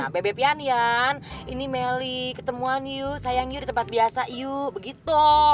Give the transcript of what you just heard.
bebeb pianian ini meli ketemuan yu sayang yu di tempat biasa yu begitu